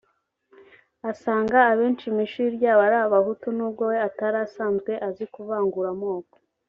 asanga abenshi mu ishuri ryabo ari Abahutu n’ubwo we atari asanzwe azi kuvangura amoko